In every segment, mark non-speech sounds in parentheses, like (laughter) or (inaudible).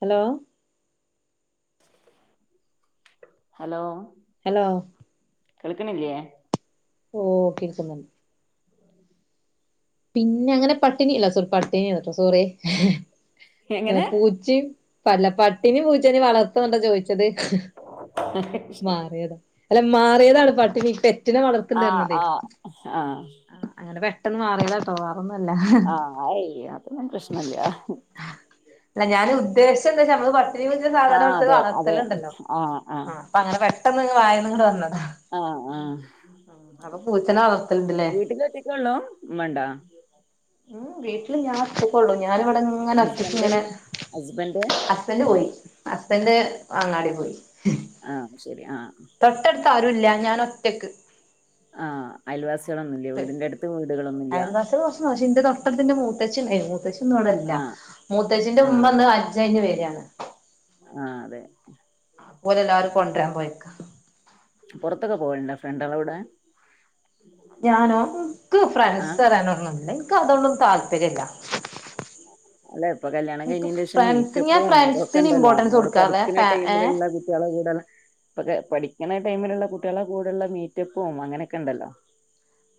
Hello hello hello കേൾക്കണില്ലയേ ഓ കിക്കുന്നുണ്ട് പിന്നെ അങ്ങനെ പട്ടിണി ഇല്ല സോ പട്ടിണി കേട്ടോ സോറ അ എങ്ങനെ പൂച്ചയും പല്ല പട്ടിനി പൂച്ചനന് വളർത്തുന്നുണ്ട ചോദിച്ചു മാറിയതാ അ മാറേത അ പട്ടി തെറ്റിനെ ആഹ് വളർത്തണ്ടരണതെ ആഹ് ആഹ് അങ്ങനെ വ പെട്ടന്ന് മാറിയത (unintelligible) ഒന്നല്ല ആഹ് അയ് അതൊന്നും പ്രശ്നല്ല അല്ല ഞാൻഉ ദേ ദേഷ്യംഉണ്ട് നമ്മള്പറ ഇത്തിരി വലിയ ആഹ് സാധാരണൽ അതെ അതെ വളർത്തലു ഉണ്ടല്ലോ ആഹ് ആ അപ്പൊ അങ്ങനെ പ്പെട്ട പെട്ടന്ന്‌വായന്ന്‌ ഇന്നനെവന്നത് ആഹ ആഹ അപ്പൊ പൂച്ചനെ വളർത്തലുണ്ടല്ലേ വീട്ടില ഒറ്റ കൊള്ളു ഉമ്മ ഉണ്ടാ ഉം വീട്ടില് ഞാൻ ഒറ്റക്ക് കൊളളു ഞാൻ എന്നാലി ഇവിടെ ഇങ്ങനെ ഒറ്റയ്ക്ക് ഹസ്ബൻഡ് ഇങ്ങനെ ഹസ്ബൻഡ് അസ്ബറ്റ്പോയി അസ്ബന്റ് അങ്ങാടി പോയി ആഹ് ശരി ആഹ തൊട്ടടുത്ത് ആരുല്ല ഞാൻ ഒറ്റക്ക് ആഹ് അയൽവാസികളൊന്നുല്ലേ വീടിന്റെ അടുത്ത് വീടുകളൊന്നുല്ല അയൽവാസികൾ കുറച്ച്ക്ഷെ ഇന്റെ തൊട്ടത്തിന്റെ മൂത്തച്ച മുത ച്ചി ഉണ്ടായിരുന്നു മുത്തച്ചിഇന്ന് ഇവിടെ ആഹ് ഇല്ലമത്തച്ചിന്റെ ഉമ്മന്ന് ഹജ്ജ് കഴിഞ്ഞ് വ വരാണ് ആഹ അതെ പോലെല്ലാവരും കൊണ്ടരാൻ പോയക്ക പുറത്തൊക്കെ പോവണ്ട ഫ്രണ്ടള കുടെ ഞാനക്ക് ഫ്രാൻസ് തരാനൊന്നുംല്ലേ ഇക്ക്അതൊളളുംതാല്പര്യമ ഇല്ല അല്ലെ ഇപ്പൊ കല്യാണം കഴിഞ്ഞിന് ദിവസം ഫ്രണ്ട്സ് ഞാൻ മീറ്റൊപ്പവും അതൊക്കെ ഫ്രണ്ട്സിന് ഉണ്ടല്ലോ ഇമ്പോർട്ടൻസ് നമ്മള് കൊടുക്കാറില്ല പഠിക്കുന്ന ഫാ ഏഹ് ടൈമിലുള്ള കുട്ടികളെ കൂടെല്ലാം ഇപ്പൊ പഠക് ഇങ്ങനെ ടൈമിലുള്ള കുട്ടികളെ കൂടെള്ള മീറ്റപ്പും അങ്ങനെയൊക്കെ ഉണ്ടല്ലോ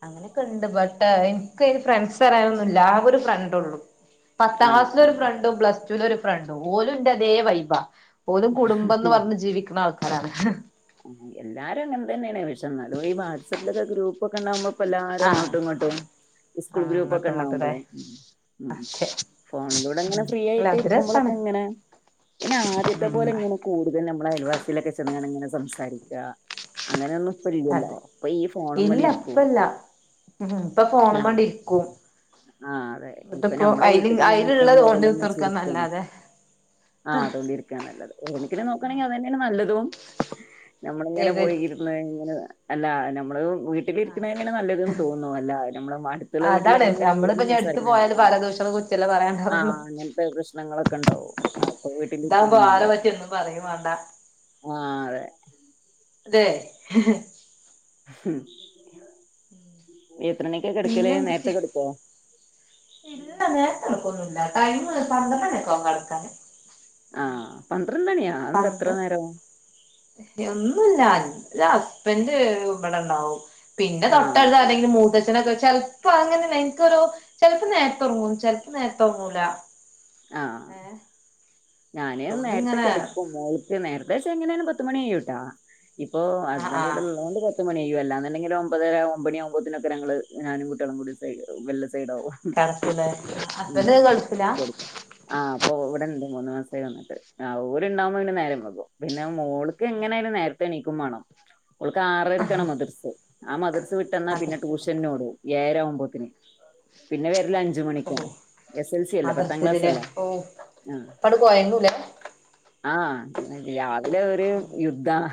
അങ്ങനെയൊക്കെ ഉണ്ട് ബട്ടയ് ഇക്ക്ഫ്രണ്ട്സ് എന്ന് പറയാനൊന്നുമില്ല ആ ഒരു ഫ്രണ്ട് ഉള്ളു പത്താം ആഹ് ക്ലാസ്സില് ഒരു ഫ്രണ്ടും പ്ലസ ടുവിൽ ഒരുഫ്ര ഫ്രണ്ട് ഓലുംന്റെതേ വൈബ ഓല്കുടുംബം എന്ന് ആഹ് പറഞ് ജീവിക്കുന്ന ആൾക്ക പറാണ് എല്ലാരും അങ്ങനെ തന്നെയാണ് പക്ഷേ ന്നാലും ഈ വാട്സആപ്പിലൊക്കെ ഗ്രൂപ്പ് ഒക്കെ ഉണ്ടകുമ്പോ എല്ലാരും ആഹ് അങ്ങോട്ടും ഇങ്ങോട്ടും സ്കൂൾ ആഹ് ഗ്രൂപ്പ്ഒക്കെ അങ്ങോട്ടും ഇങ്ങോട്ടുംല്ലേ ഉണ്ടാവുമ്പോള അതെ ഫോണിലൂടെ അങ്ങനെ ഉം ഫ്രീ അല്ല ആയിട്ട് അത് രസാണ് ഇരിക്കുമ്പോളൊക്കെ ഇങ്ങനെ പിന്നെ ആദ്യത്തെ ഉം പോലെ ഇങ്ങനെ കൂടുതൽ നമ്മള്അയൽവാസിയിലൊക്കെ ചെന്ന് ങ്ങാട് ഇങ്ങനെ സംസാരിക്ക അങ്ങനെ ഒന്ന് ഇപോയില്ലല്ലോ അതെ ഇപ്പോ ഈ ഇല്ല ഫോണുമ്മലിരിക്കും ഇപ്പല്ല ഉം ഇപ്പൊ ആ ഫോണുമ്മേണ്ട് ഇരിക്കും ആ അതെ ഇപ്പൊ എന്നിട്ടിപ്പോ ഞമ്മളെ അയില് വീട്ടിക്ക്ങ്ങനെ നിക്കാൻ അയിലുള്ളത് ഓണ്ടി പോവലന്നെ ചുരുക്കാണ് കുത്തിർക്കാന്നല്ലാതെ തന്നെ നല്ലതും നമ്മളിങ്ങനെ ഏത് പോയി ഇരുന്ന് ഇങ്ങനെ അല്ലാ ഞമ്മള് വീട്ടിലിരിക്കണന്നേണ് നല്ലത് ന്ന് തോന്നുന്നു അല്ല ഞമ്മളെ അടുത്തുള്ള അതാണ് വീട്ടിലെക്കിങ്ങനെ നമ്മളിപ്പോ കേറി ഇനി എടുത്ത് സംസാരിക്കണേ പോയാല് ആ പല ദൂഷണ കുറ്റല്ലേ ആ ആ പറയാണ്ടാവുള്ളു അങ്ങനത്തെ പ്രശ്നങ്ങളക്ക ണ്ടാവും അപ്പോ ഇതാകുമ്പോ വീട്ടിലിരിക്കണന്നേ ആളെ നല്ലത് പറ്റി ഒന്നും പറയും വേണ്ട ആ അതെ ഉം നീ എത്രോണിക്ക കെടക്കല് നേരത്തെ കെടക്കുവോ (unintelligible) ടൈമ് പന്ത്രണ്ട്മണിയൊക്കെ ആവും കെടക്കാന് ആ പ പന്ത്ര എയ് ഒന്നുല്ല ല്ലാ ഹസ്ബൻഡ് ഇവിടെ ഇണ്ടാവും പിന്നെ ആഹ് തൊട്ടടുത്ത ശരി ആരേലും മൂത്തച്ഛനൊക്ക ചെൽപോ അങ്ങനെ എനിക്കൊരു ചെൽപോ നേരത്തെ ഉറങ്ങും ചെൽപോ നേരത്തെ ഒറങ്ങൂല ആ ഞാന് അതുകൊണ്ട് നേരത്തെ ഇങ്ങനെ കെടക്കും മോൾക്ക്‌ നേരത്തെച്ച എങ്ങനേലും പത്തുമണി കയ്യൂട്ട ഇപ്പോ ആ ആ ഹസ്ബൻഡ് ഇവിടുള്ളോണ്ട് പത്തുമണി അല്ലാന്നുണ്ടെങ്കില് ഒമ്പതരാ ഒമ്പോണിയമ്പേത്തിനൊക്കെ ഞങ്ങള് ഞാനും കുട്ടിയാളുംകൂടി സെയ്ഡ് മെല്ലെ സെയ്‌ കെടക്കുലെ ഹസ്ബൻഡ് ഗൾഫില ആ ഇപ്പോ ഇവിടെ ഇണ്ട് മൂന്ന് മാസായി വന്നിട്ട് ആ ഓ ലിണ്ടാകുമ്പോങ്ങനെ നേരം വൈകും പിന്നെ മോൾക്ക്‌ എങ്ങനേലും നേര ത്തെ എണീക്കും വാണം ഓൾക്ക് ആറരക്കാണ് ആഹ് മദ്രസ ആ മദ്രസ വിട്ട് വന്ന പിന്നെ മദ്രസയില് ട്യൂഷൻ ഓടും ഏര മണി രുമ്പോത്തിനു പിന്നെ വരല് അഞ്ചുമണിക്കാണ് എസ് എസ് എൽ സി അല്ലെ പത്ത് തിലെ ഓഹ് അപ്പട് കൊയങ്ങുലെ ആ രാവിലെ ഒരു യുദ്ധാണ്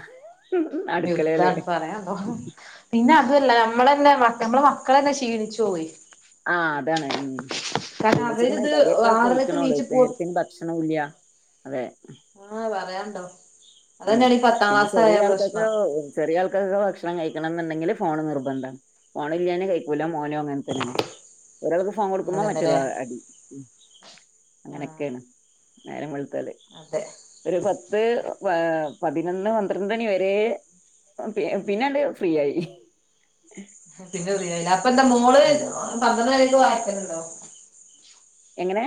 യുദ്ധാണ് പറയാണ്ടോ പിന്ന ല്ലാ നമ്മളന്നേ നമ്മള മക്കളന്നെ ശീലിച്ചോയി ആ അതാണ് ഉം അവരിത് (unintelligible) തടിയൊക്കെ ആറരക്ക് പൊയിക്കണോള്ളൂ നീച്ചു പോ നേരത്തിന് ഭക്ഷണവും ഇല്ല അതെ ആഹ് പറയാണ്ടോ ഉം അതന്നെയാണ് ഈ പത്താം പിന്നെ ക്ലാസ്സായ ചെറിയ ആൾക്കൊക്കെ പ്രശ്നം ചെറിയ ആൾ ഭക്ഷണം കഴിക്കണോന്നുണ്ടെങ്കിൽ ഫോണ് നിർബന്ധാണ് വലിയാന് കഴിക്കൂല മോനും അങ്ങനെ തന്നെയാണ് ഒരാൾക്ക് ഫോൺ കൊടുക്കുമ്പോ മറ്റേയാൾ അതന്നെല്ലേ അടി ആഹ് അങ്ങനൊക്കെയാണ് നേരം വെളു ത്താല് അതെ ഒരു പത്ത് പതിനൊന്ന് പന്ത്രണ്ട് മണി വരെ പി പിന്നാണ്ട് ഫ്രീയായി പിന്നെ അറിയേല്ല അപ്പൊ എന്താ മോള് ഉം പന്ത്രണ്ട് ഞ്ഞ് വായ്ക്കണുണ്ടോ എങ്ങനേ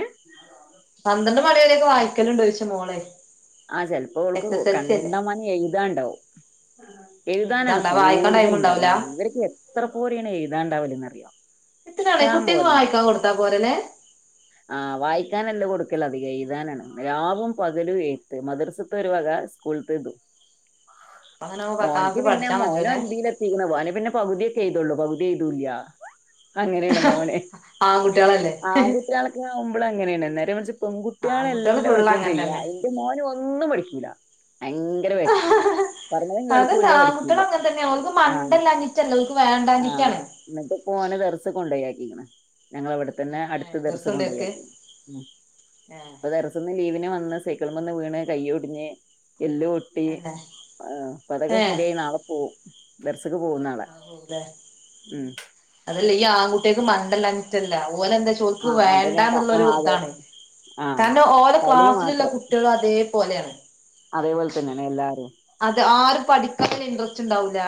പന്ത്രണ്ട് മണിവരയൊക്കെ വായിക്കലുണ്ടോ ചോദിച്ചയാ മോളെ ആ ചെലപ്പോ ഓൾക്ക് എസ് എസ് എൽ സി അല്ലേ കണ്ടമാനം എഴുതാൻ ഉണ്ടാകും. എഴുതാൻ ആണ് എഴുതാണ്ട വായിക്കാൻ ടൈം കൂടുതൽ ഉണ്ടാവൂല ഉണ്ടാവുക. ഇവർക്ക് എത്ര പോരെയാണ് എഴുതാൻ ഉണ്ടാവലെന്ന് അറിയോ ഇത്തിനാണെ ഇഷ്ടം കുട്ടിക്ക് പോലെ ഉണ്ടാവും വായിക്കാൻ കൊടുത്താ പോരല്ലേ ആ വായിക്കാൻ അല്ല കൊടുക്കല് അധികം എഴുതാനാണ്. രാവും പകലും എഴുത്ത് മദ്രസത്തെ ഒരു വക സ്കൂളിത്തേതും. അങ്ങനെ പത്താം മോനിക്ക് ക്ലാസ് പിന്നെ പഠിച്ചാ മോനും മതില്ലേ എന്തിലും എത്തിയിരിക്കുന്നു. മോന് പിന്നെ പകുതിയൊക്കെ എഴുതി ള്ളു പമ്പ് ചെയ്തൂല്ല അങ്ങനെയാണ് മോന് ആൺകുട്ടികളല്ലേ ആ ഒരു എപ്പളും ആമ്പിളാര് അങ്ങനെ തന്നെയാണ് നേരെ മറിച്ച് പെൺകുട്ടികൾ ആൺകുട്ടികള് എല്ലാ ഫുള്ള് വർക്കും അങ്ങനെ ചെയ്യും തന്നെ എന്റെ മോന് ഒന്നും വിളിക്കൂല ഭയങ്കരവായിട്ട് (unintelligible) പറഞ്ഞാലും അതല്ല കേൾക്കൂല്ല ആൺകുട്ടികള് പഠിക്കൂല്ല അങ്ങനെ തന്നെയാ ഓൽക്ക് ആ മണ്ടല്ലാഞ്ഞിട്ടല്ല ഓൽക്ക് ആ വേണ്ടാഞ്ഞിട്ടാണ് എന്നിട്ടിപ്പൊ ഓനെ ദറ്സിൽ കൊണ്ടോയി ആക്കി (unintelligible) ഞങ്ങളിവിടെതന്നെ ഏഹ് അടുത്ത് ദറ്സിൽ കൊണ്ടുപോയി എതിർത്തുണ്ടോൽക്ക് ആക്കി ഏഹ് ഇപ്പോ ദറ്സിന്ന് ലീവിന് വന്ന് സൈക്കളിമേന്ന് വീണ് കൈയ്യ് ഒടിഞ്ഞ് എല്ലുപൊട്ടി തന്നെ ആ അതൊക്കെ ശരിയായി നാളെ പോകും ദറ്സ് ആകൂല്ലേ അതല്ല ഈ ആൺകുട്ടികൾക്ക് മ ണ്ട ഇല്ലാഞ്ഞിട്ടല്ല ഓല് എന്താച്ച ഓല്ക്ക് ആഹ് മണ്ടനേക്കാ വേണ്ടാന്നുള്ളൊരു ആഹ് അതെ ഇതാണ് ആഹ് കാരണം ഓല് കളി ക്ലാസ്സിലുള്ള മാത്രം കുട്ടികളും അതേ പോലെയാണ് അതേപോലെ തന്നെയാണ് എല്ലാരും ആരും പഠിക്കാൻ ഒരു ഇൻറസ്റ്റ് ഉണ്ടാകൂല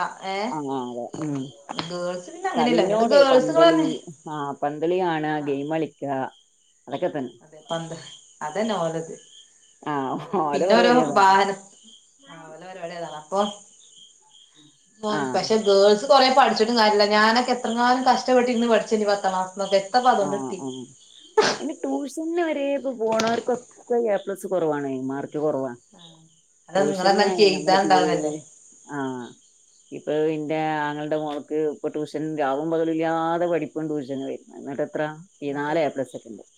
ആ അതെ ഉം പിന്നെ അങ്ങനെയല്ല പിന്നീട് കളിനോട് പന്തളി ഗേൾസുകളന്നെ ആഹ പന്തളി ആണ് ആഹ് ഗെയിം കളിക്ക അതെ പന്ത അതെന്നോഓലത് ആഹ് ഓലെ പിന്നെ രോ പരിപാടി അതാണ് വാഹനം ആ ഓലോ പരിപാടി ഏതാണാ ഓ ഉം ആഹ് പഷേ ഗേൾസ് കുറേ പഠിച്ചിട്ടും കാര്യല്ല ഞാനൊക്കെ എത്രങ്ങാനും കഷ്ടപ്പെട്ട് ഇരിന്ന് പിടിച്ചിണ്ട് പത്താം ക്ലാസ്. ആ ആ അയിന് ട്യൂഷന് വരെ ഇപ്പൊ പോണവർക്കൊക്കെ (unintelligible) എപ്ലസ് കൊറവാണേ മാർ ക്ക് കൊറവാ, അത് നിങ്ങളെന്ന എനിക്ക് ടൂഷനങ്ങനെ നമ്മള് തീരെ എഴുതാണ്ടാവല്ലേ ആഹ് ഇപ്പൊ ഇന്റെ ആങ്ങൾടെ മോൾ ഇപ്പ ഇപ്പ ട്യൂഷൻ രാവും പകലും ഇല്ലാതെ പഠിപ്പും ട്യൂഷനും ആയി എന്നട്ട് ത്ര ഈ എന്നട്ടോ നാല് എപ്ലസൊക്കെ ഇണ്ടാവു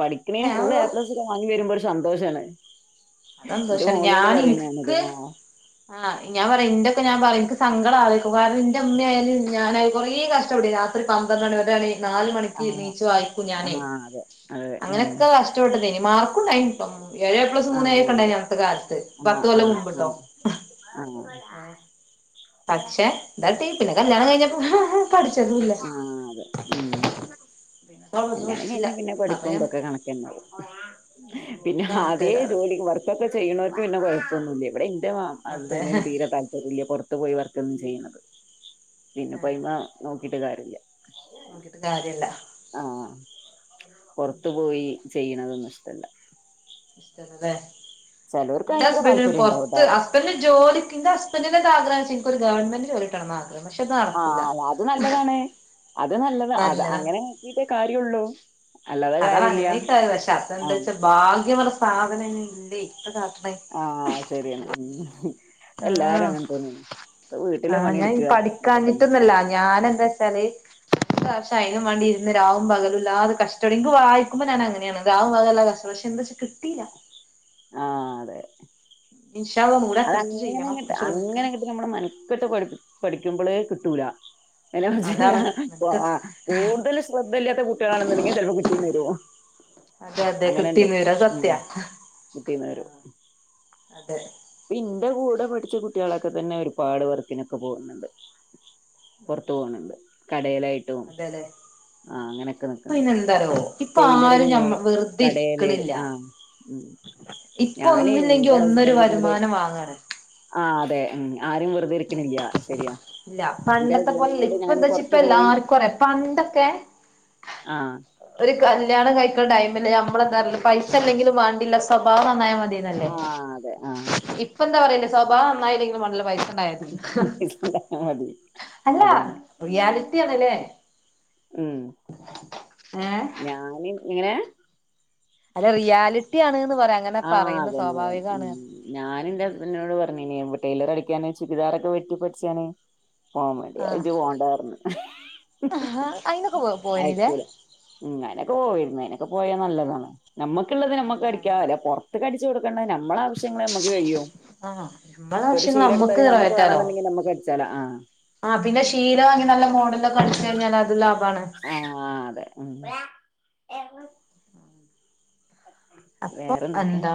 പഠിക്കണേന് ഏഹ് ഫുള്ള് എ അതൊള്ളൂ പ്ലസ് ഒക്കെ വാങ്ങി വരുമ്പോ ഒരു സന്തോഷാണ് എന്റെ അതന്തോഷമാണ് മോളോട് ഞാൻ പറയും ഞാനത് എനിക്ക് ആഹ് ഞാൻ പറയാ ഇൻ്റൊക്കെ ഞാൻ പറയും സങ്കടം ആവേര്ക്കും കാരണം ഇന്റെ ഉമ്മയായാലും ഞാനായി കൊറേ കഷ്ടപ്പെട്ടു രാത്രി പന്ത്രണ്ട് മണി വ നാല മണിക്ക് ആഹ് നീച്ച് വായിക്കും ഞാനേ ആഹ് ആഹ് അതെ അതെ ഉം അങ്ങനൊക്കെ കഷ്ടപ്പെട്ടതേ മാർക്കുണ്ടായിനി ട്ടോ ഏഴ് എ പ്ലസ് മൂന്ന് എ ആഹ് ഒക്കെണ്ട് അതെ അഞത്തെ കാലത്ത് പത്ത് ആഹ് കൊല്ലം ആഹ് മുമ്പ്ട്ടോ ആഹ് ആഹ് ഏ പക്ഷെ എന്താട്ടി പിന്നെ കല്യാണം കഴിഞ്ഞപ്പോ പഠിച്ചതുല്ല ആ അതെ ഉം പിന്നെ ഒന്നും കല്യാണം പഠിച്ചില്ല കഴിഞ്ഞാ പിന്നെ അപ്പൊ പഠിപ്പും ഞാൻ ഇതൊക്കെ കണക്കന്നെ, പിന്നെ പിന്നൊക്കെ ആദ്യേ കണക്കേകാരം ജോലി വർ വർക്കൊക്കെ ചെയ്യണോർക്ക് പിന്നെ കുഴപ്പൊന്നുല്ല ഇവടെ (unintelligible) ൻ്റെ അതെ ഹസ്ബന്റിന് തീരെ താല്പര്യല്ല പൊറത് ട്ടു പോയി വർക്കൊന്നും ചെയ്യണത് പിന്നെ പോയി മാ നോക്കീട്ട് കാര്യല്ല നോക്കീട്ട് കാര്യല്ല ആഹ് പൊറത്തു പോയി ചെയ്യണതൊന്നും ഇഷ്ടല്ല ഇഷ്ടല്ല ലേ ചെലോർക്ക് ഇന്റെ അയിനൊക്കെ ഹസ്ബെന്റിന് താല്പര്യം പൊറത്ത് ഉണ്ടാവുട്ടോ ഹസ്ബെന്റിന് ജോലിക്ക് ഇൻ്റെ ഹസ്ബെന്റിന് എന്താ ആഗ്രഹ എനിക്ക് ഒരു ഗവൺമെന്റ് ജോലി കിട്ടണന്നാ ആ ആ അല്ല അത് നല്ലതാണ്. അത് നല്ലതാ അത് അങ്ങനെ നോക്കീട്ടേ കാര്യുള്ളൂ. അതാണ് അങ്ങനെക്ക പക്ഷെ ആഹ് അതെന്താച്ചാ ഭാഗ്യം പറഞ്ഞ സാധനം ഇല്ലേ. അതാ. ആ ശരിയാണ്. ആ എല്ലാരും അങ്ങനെ തന്നെയാണ് ഇപ്പൊ വീട്ടിലെ ആ ഞാൻ പണിയെടുക്കുക ഇതൊക്കെ തന്നെ പഠിക്കഞ്ഞിട്ടൊന്ന്വല്ല ഞാൻ ഞാൻ എന്താച്ചാല് (unintelligible) ഷ അയിനും വേണ്ടി ഇരുന്ന് രാവും പകലുല്ലാതെ കഷ്ടടെ ക്ക് വായിക്കുമ്പോ ഞാൻ അങ്ങനെയാണ് രാവും പകലുവല്ലാം കഷ്ടപ്പെട് പക്ഷെ എന്താച്ച കിട്ടീല. ആ അതെ ഇൻഷാ അള്ളാ ഒന്നൂടെ അറ്റംപ്റ്റ് ചെയ്യണം അതങ്ങനെങ്ങിട്ട് അങ്ങനെ ശ്രമിക്കണം കിട്ട് നമ്മള് മെനക്കെട്ടു പഠിപ്പ പഠിക്ക യ്കുമ്പളേ കിട്ടൂല. അനെ അതാണ് ആ കൂടുതൽ ശ്രദ്ധയില്ലാത്ത കുട്ടികളാണെന്നുണ്ടെങ്കിൽ ചെൽപ്പോ കിട്ടീന്ന് വരും അതെ അങ്ങനെണ്ട് ഉം. കിട്ടീന്ന് ആ വരും അതെ. ന്റെ കൂടെ പഠിച്ച കുട്ടികളൊക്കെ തന്നെ ഒരുപാട് വർക്കിനൊക്കെ പോകുന്നുണ്ട്. പൊറത്തു പോണണ്ട്. ടേലായിട്ടും അതെല്ലേ ആ അങ്ങനൊക്കെ ഇപ്പൊ നിക്കണ്ട് അയിനെന്താറിയോ ഇപ്പൊ ആരും ടൈലറിങ്, ഞമ്മ വെറുതെ കടേല് ഇരിക്കണില്ല ആ. ഇപ്പൊ ഞാന് ഒന്നില്ലെങ്കി എന്റെ ഒന്നൊരു ഹസ്ബൻഡിനോട് വരുമാനം വാങ്ങണ. ആ അതെ ഉം ആരും വെറുതെ ഇരിക്കണില്ല ശരിയാ ഇല്ല എന്റെ പണ്ടത്തെ പോലല്ല ഹസ്ബൻഡിനോട് ഇപ്പ ഞാന് എന്താച്ച ഇപ്പ പുറത്തു പോയി എല്ലാർക്കുറിയാം പണ്ടൊക്കെ ആ ഒരു കല്യാണം കഴിക്കണ ടൈമില് നമ്മളന്തറന്ന പൈസല്ലെങ്കിലും വേണ്ടില്ല സ്വഭാവം നന്നായ മ തിന്നല്ലേ, ആ അതെ ആ ഇപ്പ എന്താ പറയല്? സ്വഭാവന്നായില്ലെങ്കിലും വേണ്ടില്ല പൈസ് (unintelligible) അല്ല അതന്നെ റിയാലിറ്റി ആണല്ലേ ഉം ഏ. നിങ്ങനെ അല്ല റിയാലിറ്റി ആണ്. ആ അതന്നെ അതന്നെ ഉം ഞാനെന്റെ ഹസ്ബൻറിനോട് പറഞ്ഞിന് ടെയിലറടിക്കാന് ചുരിദാറൊക്കെ വെട്ടി പഠിച്ചാന്. പോവേണ്ട ആഹ് ജ് പോണ്ടാന്ന് ആഹ് അയിനൊക്കെ പോ പോയിനില്ലേ ആയക്കൂല ഉം അനക്ക് പോയിന്നനെ. ഇപ്പ പോയ നല്ലതാണ്. നമ്മുക്കുള്ളത് നമ്മക്ക് നല്ലതാണ് അടിക്കവല്ല്. തൊക്കടിച്ചോട്. നമ്മളെ ആവശ്യങ്ങള്ൾ നമ്മുക്ക് കഴിയോ ആഹ് നമ്മളെ ഇപ്പൊ ഒരു ആവശ്യങ്ങൾ ശീലം എടുത്ത നമ്മക്ക് നമ്മുക്ക് നിറവേറ്റാലോ വേണെന്നുണ്ടെങ്കിൽ നമ്മുക്ക് അടിച്ചാല ആ കളിച്ചച്ച് കിഞ്ഞാൽ അത് ലാഭാണ് ആഹ അതെ ഉ എ അപ്പൊ വേറെന്തൊക്കെ എന്താ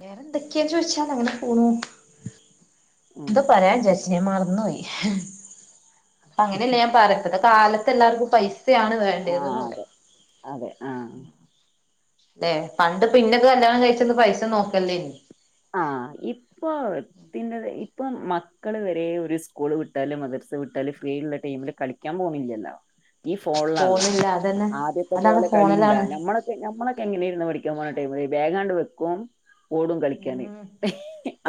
വേറെ എന്തൊക്കെയാന്ന് ചോദിച്ചാൽ അങ്ങനെ പോണു എന്തോ ഉം പറയാൻ വിചാരിച്ചു പിന്നെ മറന്നുപോയി അങ്ങനല്ല ഞാൻ (unintelligible) കാലത്ത് എല്ലാർക്കും പൈസ ആണ് ആഹ് വേണ്ടതന്ന് പറയ അതെ അതെ ആഹ് ല്ലെ പണ്ട് പിന്നൊക്കെ കല്ല്യാണം കഴിച്ചന്ന് പൈസൊന്നും നോക്കലില്ലയ്നിം ആ ഇപ്പൊത്തിന് ഇപ്പൊ മക്കള് വരെ ഒരു സ്കൂള് വിട്ടാലും മദർസ് വിട്ടാലും ഫ്രീ ഉള്ള ടൈമില് കളിക്കാൻ പോണില്ലല്ലോ ഈ ഫോണിലാള്ള ഫോണില്ല അതന്നെ ആദ്യത്തെ അതാണ് പോലെ കളിണ്ടാ ഫോണിലാണ് നമ്മളൊക്കെ നമ്മളൊക്കെ എങ്ങനരുന്ന് പഠിക്കാൻ പോണ (unintelligible) ബാഗാണ് വെക്കും ഓടും കളിക്കാന് ഉം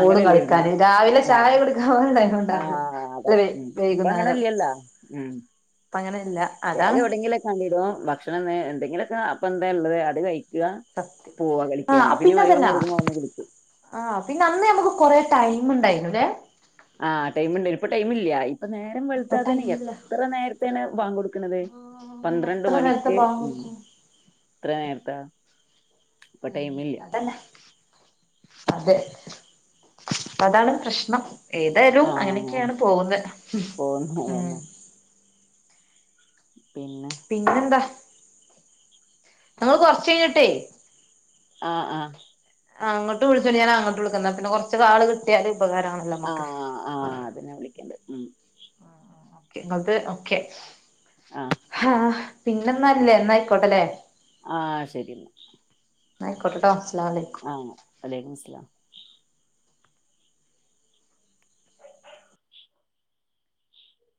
ഓടും കളിക്കാന് രാവിലെ ചായ കുടിക്കാൻ (unintelligible) ആ അതാ അല്ല വൈ ഉം വൈകുന്നേരം ഇപ്പങ്ങനെല്ലല്ലോ ഉം ഇപ്പ അങ്ങനെല്ല ബാഗ് അതാണ് എവിടെങ്കിലൊക്കണിടും ഭക്ഷണം വെ എന്തെങ്കിലൊക്കെ ഇപ്പ എന്താ ഉള്ളത് അത് കഴി സത്യം ആ പിന്നെ മഗ്‌രിബാങ്ക് അതല്ലാ കൊടുക്കുമ്പോ വന്ന് ആ പിന്നെ അന്ന് ഞമ്മക്ക് കൊറെ ടൈം ഉണ്ടായിരുന്നുല്ലേ ആഹ് ടൈമുണ്ടെനു ഇപ്പൊ ടൈം ഇല്ല. ഇപ്പം നേരം ഇപ്പൊ വെളുത്താ തന്നെ ടൈമില്ല എത്ര നേര നേരെത്തെണെ ബാങ്ക് കൊടു ക്ക്ണത് ആഹ് പന്ത്രണ്ട് എത്ര നേരത്തെ മണിക്ക് ബാങ്ക് ഉം കൊടുക്കും എത്ര നേരത്താ. ഇപ്പ ടൈം ഇല്ലാ അതന്നെ അതെ അതാണ് പ്രശ്നം. ഏതാലും ആഹ് അങ്ങനെയൊക്കെയാണ് പോകുന്നത് ഉം പോന്നതന്നെ പിന്നെ പിന്നെന്താ? ഞങ്ങൾ കൊറച്ച് കഴിഞ്ഞിട്ടേ ആഹ് ആഹ് ആ ഇങ്ങോട്ട് വിളിചോണ്ടി ഞാൻ അങ്ങോട്ട് വിളിക്കാ ന്നാ പിന്നെ കുറച്ച് കാള് കിട്ടിയാല് ഉപകാരമാണല്ലോ നമുക്ക് ആഹ് ആഹ് അതെന്നെ വിളി ക്കണ്ട് ഉം ഓക്കെ നിങ്ങൾത് ഓക്കെ ആഹ് ആഹ് പിന്നെ നല്ലേ ന്നായിക്കോട്ടല്ലെ ആഹ് ശരി എന്നാ ന്നായിക്കോട്ടെട്ടോ ആഹ വലൈക്കും സ്ലാം